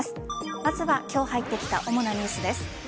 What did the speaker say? まずは今日入ってきた主なニュースです。